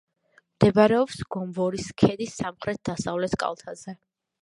მდებარეობს გომბორის ქედის სამხრეთ-დასავლეთ კალთაზე.